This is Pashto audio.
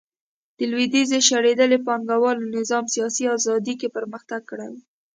د لوېدیځ شړېدلي پانګوال نظام سیاسي ازادي کې پرمختګ کړی و